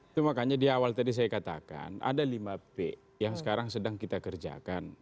itu makanya di awal tadi saya katakan ada lima p yang sekarang sedang kita kerjakan